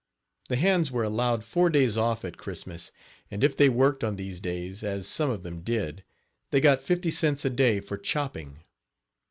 The hands were allowed four days off at Christmas, and if they worked on these days, as some of them did, they got fifty cents a day for chopping.